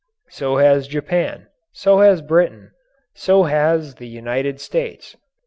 So has Japan. So has Britain. So has the United States.